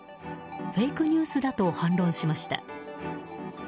フェイクニュースだと反論しました。